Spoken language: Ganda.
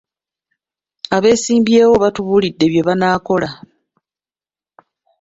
Abeesimbyewo baatubulidde bye banaakola.